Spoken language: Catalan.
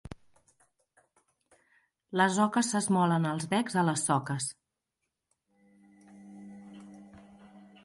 Les oques s'esmolen els becs a les soques.